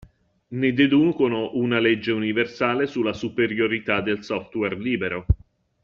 Ne deducono una legge universale sulla superiorità del software libero.